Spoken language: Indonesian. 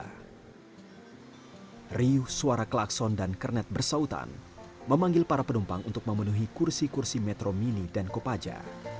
riuh suara klakson dan kernet bersautan memanggil para penumpang untuk memenuhi kursi kursi metro mini dan kopaja